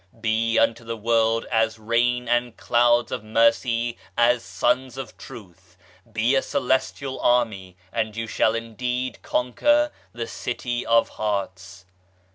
Be unto the world as rain and clouds of mercy, as Suns of Truth ; be a Celestial Army, and you shall indeed conquer the City of Hearts.